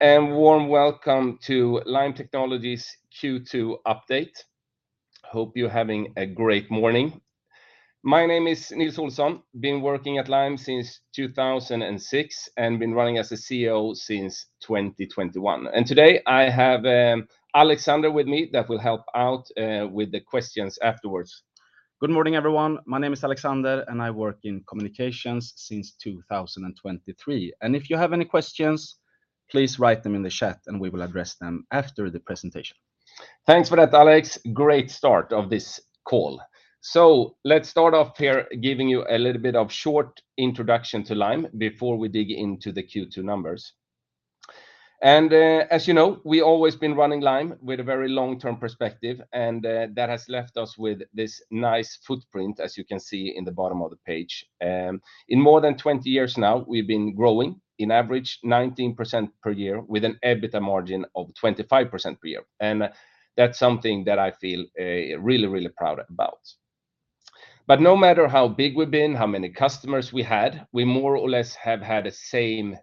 A warm welcome to Lime Technologies Q2 update. Hope you're having a great morning. My name is Nils Olsson. Been working at Lime since 2006, and been running as a CEO since 2021, and today I have, Alexander with me that will help out, with the questions afterwards. Good morning, everyone. My name is Alexander, and I work in communications since 2023, and if you have any questions, please write them in the chat, and we will address them after the presentation. Thanks for that, Alex. Great start of this call. So let's start off here giving you a little bit of short introduction to Lime before we dig into the Q2 numbers. As you know, we always been running Lime with a very long-term perspective, and that has left us with this nice footprint, as you can see in the bottom of the page. In more than 20 years now, we've been growing in average 19% per year with an EBITDA margin of 25% per year, and that's something that I feel, really, really proud about. But no matter how big we've been, how many customers we had, we more or less have had the same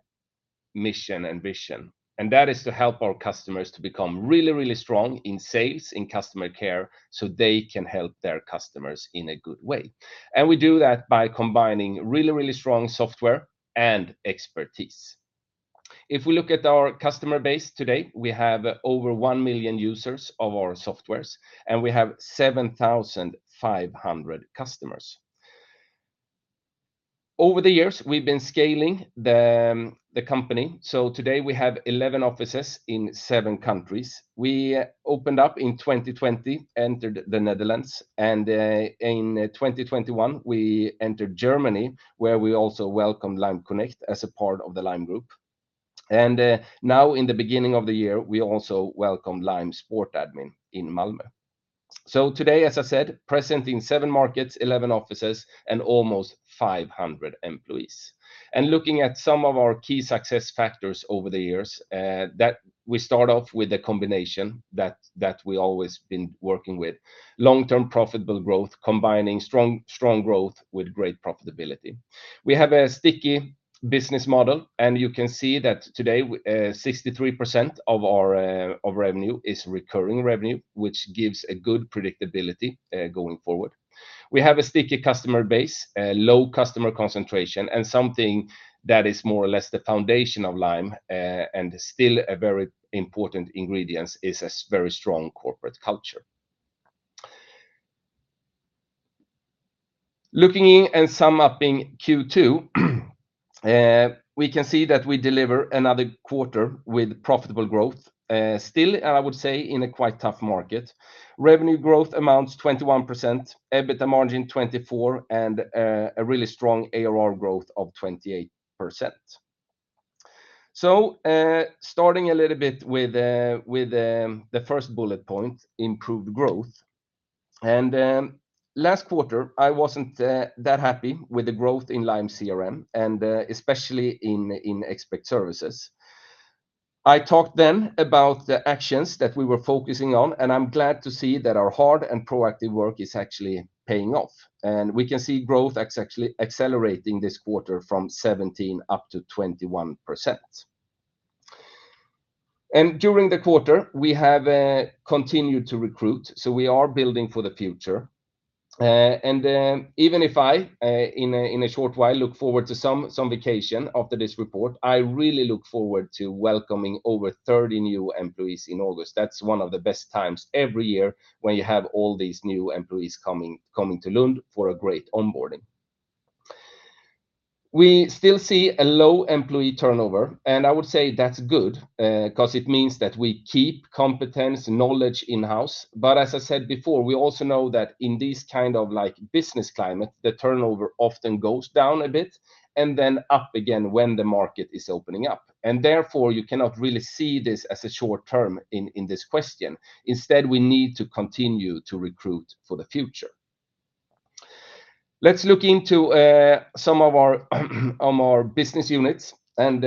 mission and vision, and that is to help our customers to become really, really strong in sales, in customer care, so they can help their customers in a good way, and we do that by combining really, really strong software and expertise. If we look at our customer base today, we have over 1 million users of our softwares, and we have 7,500 customers. Over the years, we've been scaling the company, so today we have 11 offices in seven countries. We opened up in 2020, entered the Netherlands, and in 2021, we entered Germany, where we also welcomed Lime Connect as a part of the Lime Group. Now in the beginning of the year, we also welcomed Lime SportAdmin in Malmö. So today, as I said, present in seven markets, 11 offices, and almost 500 employees. And looking at some of our key success factors over the years, that we start off with the combination that we always been working with: long-term profitable growth, combining strong, strong growth with great profitability. We have a sticky business model, and you can see that today, 63% of our of revenue is recurring revenue, which gives a good predictability going forward. We have a sticky customer base, a low customer concentration, and something that is more or less the foundation of Lime, and still a very important ingredients is a very strong corporate culture. Looking in and sum up in Q2, we can see that we deliver another quarter with profitable growth, still, and I would say in a quite tough market. Revenue growth amounts 21%, EBITDA margin 24%, and a really strong ARR growth of 28%. So, starting a little bit with the first bullet point, improved growth, and last quarter, I wasn't that happy with the growth in Lime CRM and especially in Expert Services. I talked then about the actions that we were focusing on, and I'm glad to see that our hard and proactive work is actually paying off, and we can see growth actually accelerating this quarter from 17% up to 21%. And during the quarter, we have continued to recruit, so we are building for the future. Even if I in a short while look forward to some vacation after this report, I really look forward to welcoming over 30 new employees in August. That's one of the best times every year when you have all these new employees coming, coming to Lund for a great onboarding. We still see a low employee turnover, and I would say that's good, 'cause it means that we keep competence, knowledge in-house. But as I said before, we also know that in this kind of, like, business climate, the turnover often goes down a bit and then up again when the market is opening up, and therefore, you cannot really see this as a short term in this question. Instead, we need to continue to recruit for the future. Let's look into some of our business units, and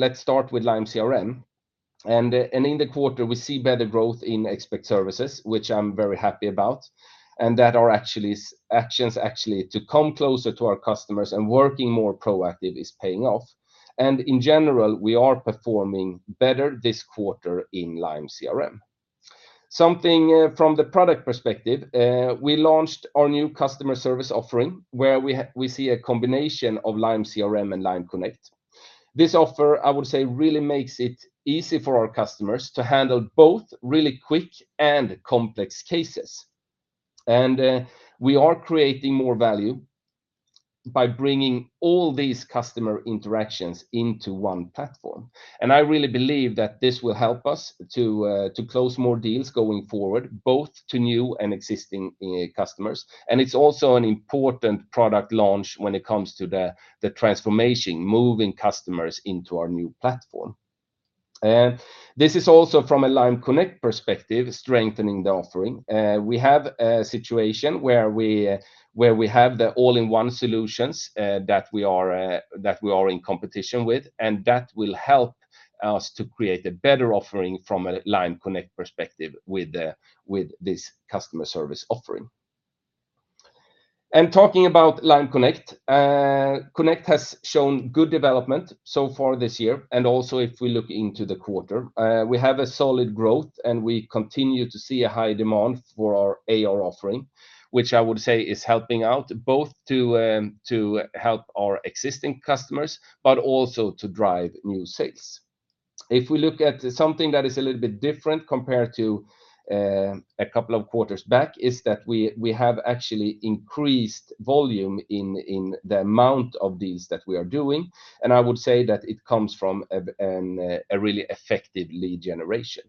let's start with Lime CRM. In the quarter, we see better growth in Expert Services, which I'm very happy about, and that our actions actually to come closer to our customers and working more proactive is paying off. In general, we are performing better this quarter in Lime CRM. Something from the product perspective, we launched our new customer service offering, where we see a combination of Lime CRM and Lime Connect. This offer, I would say, really makes it easy for our customers to handle both really quick and complex cases. We are creating more value by bringing all these customer interactions into one platform, and I really believe that this will help us to close more deals going forward, both to new and existing customers. It's also an important product launch when it comes to the transformation, moving customers into our new platform. This is also from a Lime Connect perspective, strengthening the offering. We have a situation where we have the all-in-one solutions that we are in competition with, and that will help us to create a better offering from a Lime Connect perspective with this customer service offering. Talking about Lime Connect, Connect has shown good development so far this year, and also if we look into the quarter. We have a solid growth, and we continue to see a high demand for our ARR offering, which I would say is helping out both to help our existing customers, but also to drive new sales. If we look at something that is a little bit different, compared to a couple of quarters back, is that we have actually increased volume in the amount of deals that we are doing, and I would say that it comes from a really effective lead generation.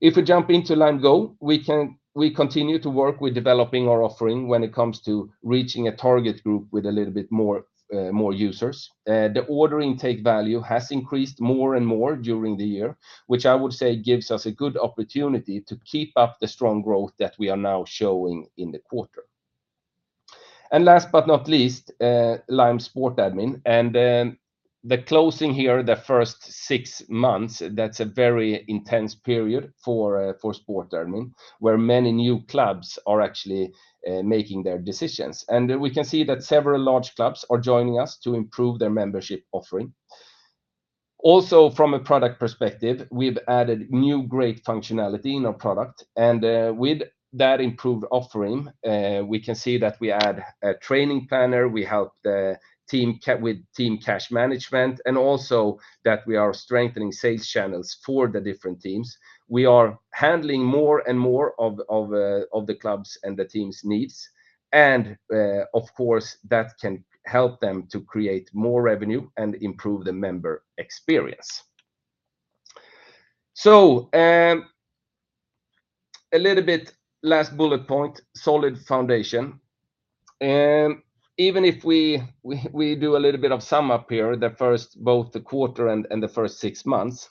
If we jump into Lime Go, we continue to work with developing our offering when it comes to reaching a target group with a little bit more users. The order intake value has increased more and more during the year, which I would say gives us a good opportunity to keep up the strong growth that we are now showing in the quarter. Last but not least, Lime SportAdmin, and the closing here, the first six months, that's a very intense period for SportAdmin, where many new clubs are actually making their decisions. We can see that several large clubs are joining us to improve their membership offering. Also, from a product perspective, we've added new great functionality in our product, and with that improved offering, we can see that we add a training planner, we help the team with team cash management, and also that we are strengthening sales channels for the different teams. We are handling more and more of the clubs and the teams' needs, and of course, that can help them to create more revenue and improve the member experience. So, a little bit last bullet point, solid foundation. Even if we do a little bit of sum up here, the first both the quarter and the first six months,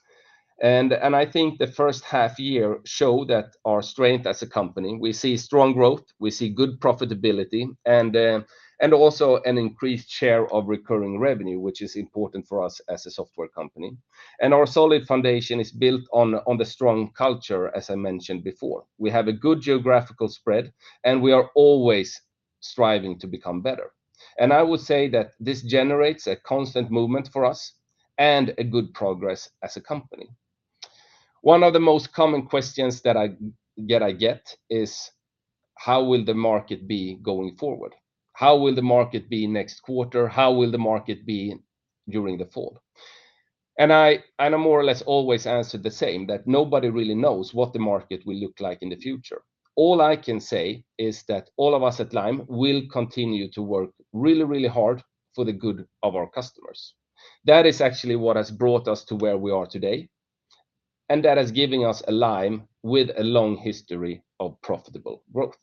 and I think the first half year show that our strength as a company. We see strong growth, we see good profitability, and also an increased share of recurring revenue, which is important for us as a software company. Our solid foundation is built on the strong culture, as I mentioned before. We have a good geographical spread, and we are always striving to become better. I would say that this generates a constant movement for us and a good progress as a company. One of the most common questions that I get is, "How will the market be going forward? How will the market be next quarter? How will the market be during the fall?" And I more or less always answer the same, that nobody really knows what the market will look like in the future. All I can say is that all of us at Lime will continue to work really, really hard for the good of our customers. That is actually what has brought us to where we are today, and that is giving us a Lime with a long history of profitable growth.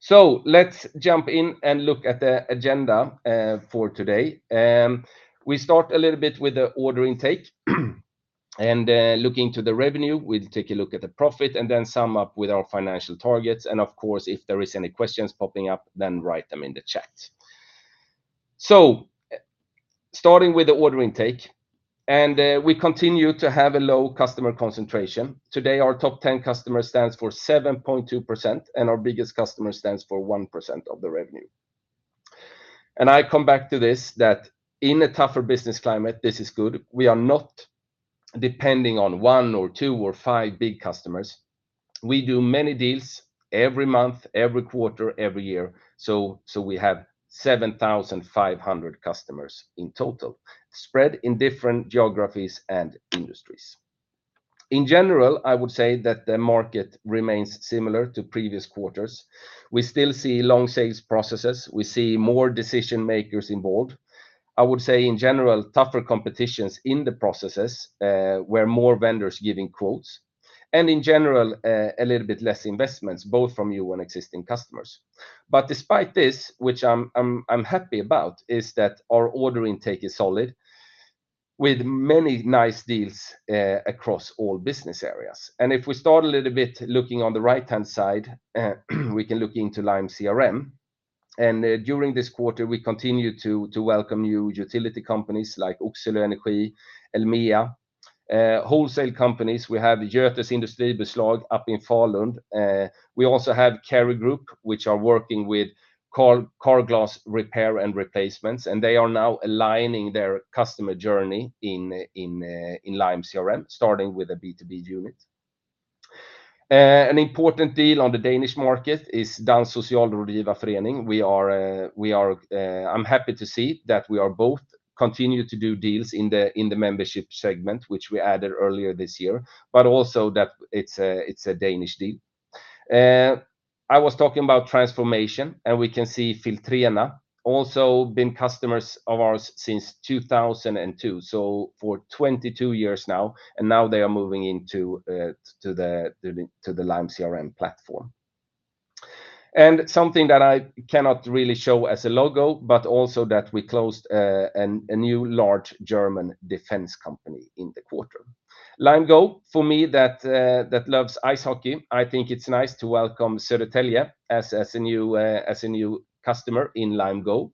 So let's jump in and look at the agenda for today. We start a little bit with the order intake, and looking to the revenue. We'll take a look at the profit and then sum up with our financial targets, and of course, if there is any questions popping up, then write them in the chat. So starting with the order intake, we continue to have a low customer concentration. Today, our top ten customer stands for 7.2%, and our biggest customer stands for 1% of the revenue. I come back to this, that in a tougher business climate, this is good. We are not depending on one or two or five big customers. We do many deals every month, every quarter, every year, so we have 7,500 customers in total, spread in different geographies and industries. In general, I would say that the market remains similar to previous quarters. We still see long sales processes. We see more decision-makers involved. I would say, in general, tougher competitions in the processes, where more vendors giving quotes, and in general, a little bit less investments, both from new and existing customers. But despite this, which I'm happy about, is that our order intake is solid, with many nice deals across all business areas. If we start a little bit looking on the right-hand side, we can look into Lime CRM. And during this quarter, we continued to welcome new utility companies like Oxelö Energi, Elmia. Wholesale companies, we have Göthes Industribeslag up in Falun. We also have Cary Group, which are working with car glass repair and replacements, and they are now aligning their customer journey in Lime CRM, starting with a B2B unit. An important deal on the Danish market is Dansk Socialrådgiverforening. We are... I'm happy to see that we are both continue to do deals in the membership segment, which we added earlier this year, but also that it's a Danish deal. I was talking about transformation, and we can see Filtrena also been customers of ours since 2002, so for 22 years now, and now they are moving into to the Lime CRM platform. Something that I cannot really show as a logo, but also that we closed a new large German defense company in the quarter. Lime Go, for me that that loves ice hockey, I think it's nice to welcome Södertälje as a new customer in Lime Go.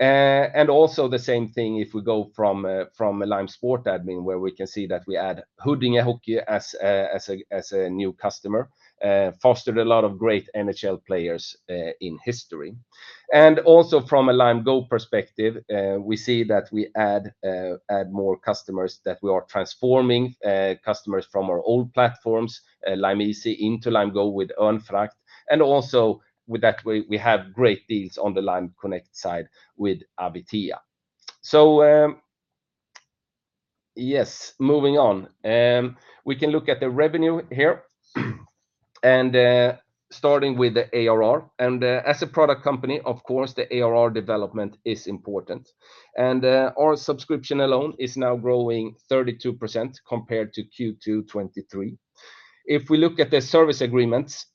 Also the same thing if we go from a Lime SportAdmin, where we can see that we add Huddinge Hockey as a new customer. Fostered a lot of great NHL players in history. Also from a Lime Go perspective, we see that we add more customers, that we are transforming customers from our old platforms, Lime Easy, into Lime Go with Örnfrakt. And also with that, we have great deals on the Lime Connect side with avitea. So, yes, moving on. We can look at the revenue here and starting with the ARR, as a product company, of course, the ARR development is important. And, our subscription alone is now growing 32% compared to Q2 2023. If we look at the service agreements,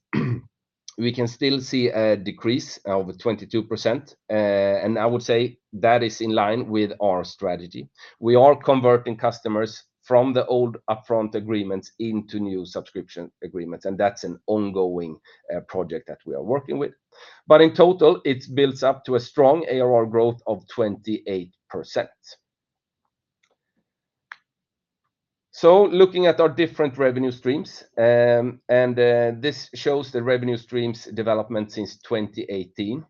we can still see a decrease of 22%. And I would say that is in line with our strategy. We are converting customers from the old upfront agreements into new subscription agreements, and that's an ongoing project that we are working with. But in total, it builds up to a strong ARR growth of 28%. So looking at our different revenue streams, and this shows the revenue streams development since 2018.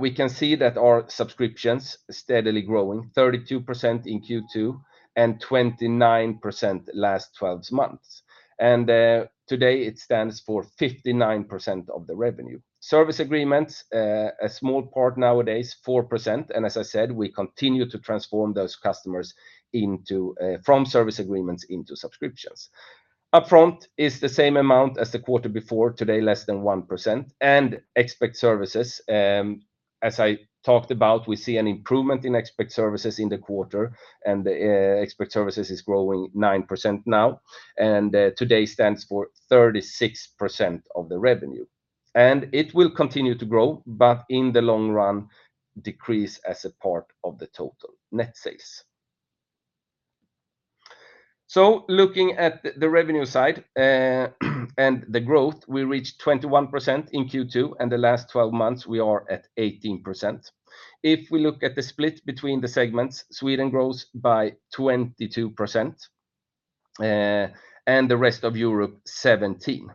We can see that our subscription's steadily growing, 32% in Q2 and 29% last 12 months. Today, it stands for 59% of the revenue. Service agreements, a small part nowadays, 4%, and as I said, we continue to transform those customers into from service agreements into subscriptions. Upfront is the same amount as the quarter before, today less than 1%. Expert Services, as I talked about, we see an improvement in Expert Services in the quarter, and the Expert Services is growing 9% now, and today stands for 36% of the revenue. And it will continue to grow, but in the long run, decrease as a part of the total net sales. Looking at the revenue side, and the growth, we reached 21% in Q2, and the last 12 months, we are at 18%. If we look at the split between the segments, Sweden grows by 22%, and the rest of Europe, 17%.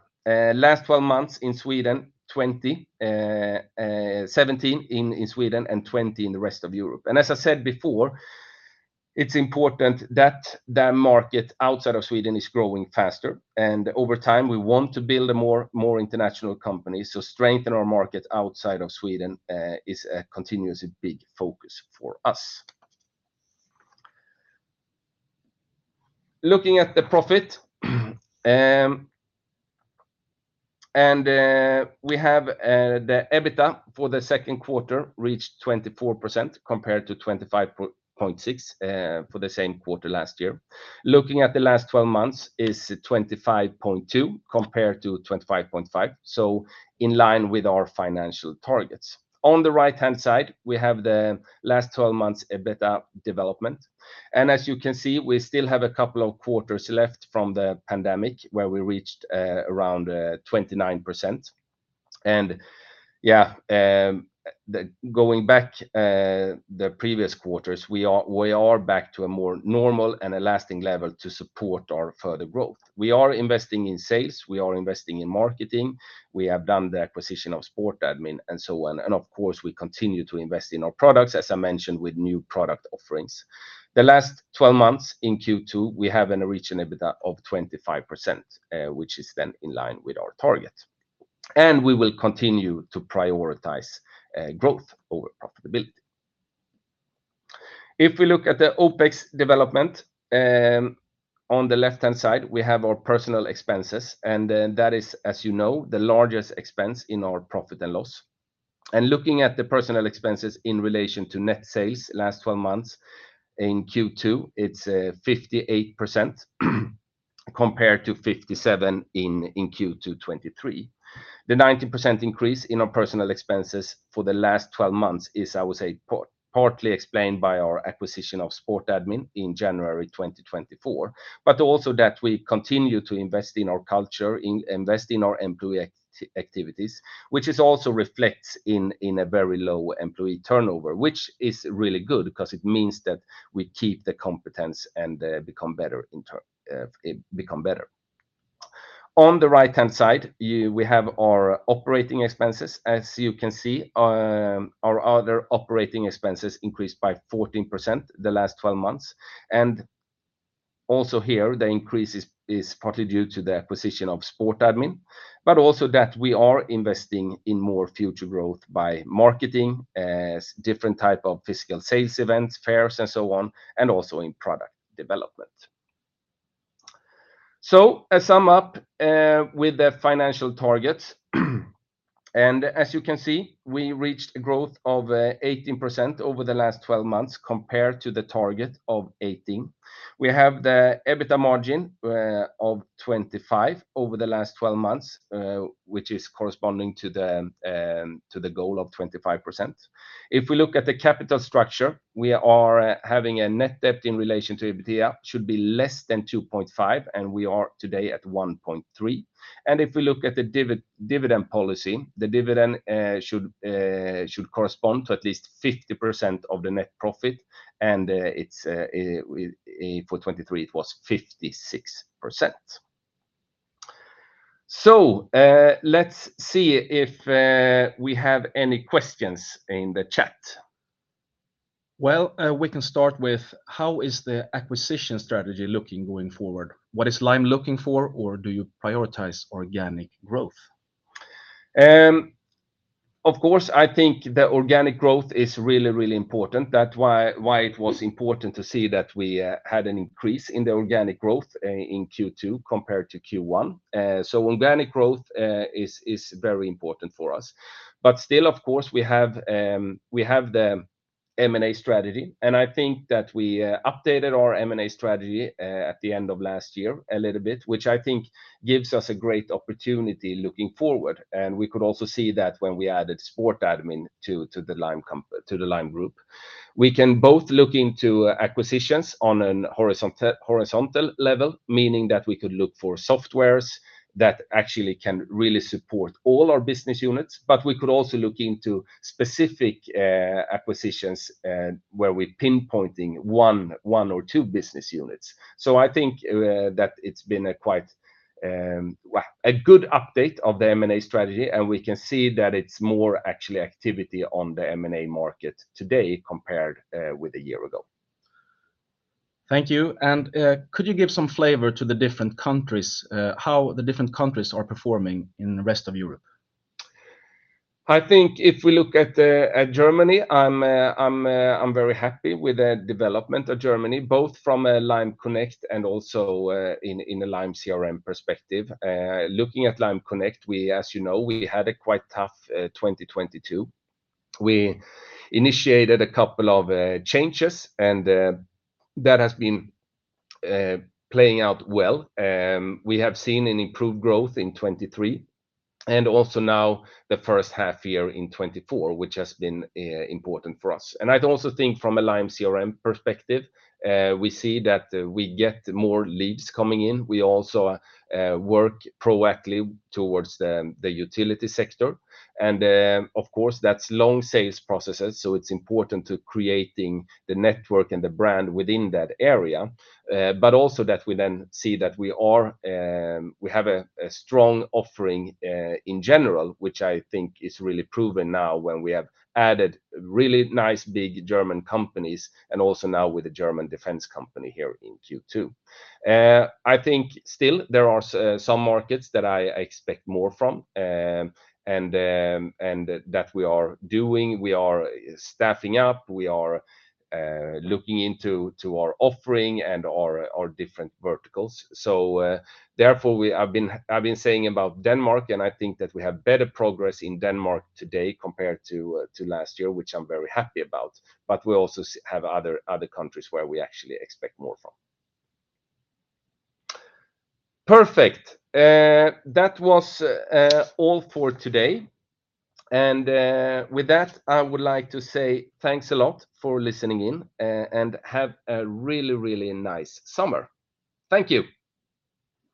Last 12 months in Sweden, 17% in Sweden and 20% in the rest of Europe. As I said before, it's important that the market outside of Sweden is growing faster, and over time, we want to build a more, more international company. So strengthen our market outside of Sweden is a continuously big focus for us. Looking at the profit, and we have the EBITDA for the second quarter reached 24%, compared to 25.6% for the same quarter last year. Looking at the last 12 months is 25.2% compared to 25.5%, so in line with our financial targets. On the right-hand side, we have the last 12 months EBITDA development, and as you can see, we still have a couple of quarters left from the pandemic, where we reached around 29%. Going back, the previous quarters, we are, we are back to a more normal and a lasting level to support our further growth. We are investing in sales. We are investing in marketing. We have done the acquisition of SportAdmin and so on. Of course, we continue to invest in our products, as I mentioned, with new product offerings. The last 12 months, in Q2, we have a reached EBITDA of 25%, which is then in line with our target. We will continue to prioritize growth over profitability. If we look at the OpEx development, on the left-hand side, we have our personnel expenses, and, that is, as you know, the largest expense in our profit and loss. Looking at the personnel expenses in relation to net sales last 12 months, in Q2, it's 58% compared to 57% in Q2 2023. The 19% increase in our personnel expenses for the last 12 months is, I would say, partly explained by our acquisition of SportAdmin in January 2024, but also that we continue to invest in our culture, invest in our employee activities, which also reflects in a very low employee turnover. Which is really good because it means that we keep the competence and become better in term, become better. On the right-hand side, we have our operating expenses. As you can see, our other operating expenses increased by 14% the last 12 months. Also here, the increase is partly due to the acquisition of SportAdmin, but also that we are investing in more future growth by marketing different type of physical sales events, fairs, and so on, and also in product development. So to sum up with the financial targets. As you can see, we reached a growth of 18% over the last 12 months, compared to the target of 18%. We have the EBITDA margin of 25% over the last 12 months, which is corresponding to the goal of 25%. If we look at the capital structure, we are having a net debt in relation to EBITDA, should be less than 2.5, and we are today at 1.3. If we look at the dividend policy, the dividend should correspond to at least 50% of the net profit, and for 2023, it was 56%. So, let's see if we have any questions in the chat. Well, we can start with, "How is the acquisition strategy looking going forward? What is Lime looking for, or do you prioritize organic growth?" Of course, I think the organic growth is really, really important. That's why it was important to see that we had an increase in the organic growth in Q2 compared to Q1. So organic growth is very important for us. But still, of course, we have the M&A strategy, and I think that we updated our M&A strategy at the end of last year a little bit, which I think gives us a great opportunity looking forward. And we could also see that when we added SportAdmin to the Lime Group. We can both look into acquisitions on a horizontal level, meaning that we could look for softwares that actually can really support all our business units, but we could also look into specific acquisitions where we're pinpointing one or two business units. So I think that it's been a quite well a good update of the M&A strategy, and we can see that it's more actually activity on the M&A market today compared with a year ago. Thank you, and, could you give some flavor to the different countries, how the different countries are performing in the rest of Europe? I think if we look at Germany, I'm very happy with the development of Germany, both from a Lime Connect and also, in a Lime CRM perspective. Looking at Lime Connect, we, as you know, we had a quite tough 2022. We initiated a couple of changes, and, that has been playing out well. We have seen an improved growth in 2023, and also now the first half year in 2024, which has been important for us. And I'd also think from a Lime CRM perspective, we see that we get more leads coming in. We also work proactively towards the utility sector. Of course, that's long sales processes, so it's important to creating the network and the brand within that area. But also that we then see that we are, we have a strong offering in general, which I think is really proven now when we have added really nice, big German companies and also now with a German defense company here in Q2. I think still there are some markets that I expect more from, and that we are doing. We are staffing up. We are looking into our offering and our different verticals. So, therefore, I've been saying about Denmark, and I think that we have better progress in Denmark today compared to last year, which I'm very happy about, but we also have other countries where we actually expect more from. Perfect. That was all for today, and with that, I would like to say thanks a lot for listening in, and have a really, really nice summer. Thank you!